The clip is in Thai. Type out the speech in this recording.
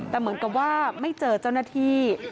แต่เหมือนกับว่าไม่เจอเจ้าหน้าที่